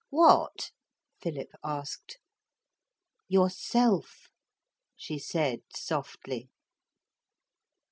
'What?' Philip asked. 'Yourself,' she said softly.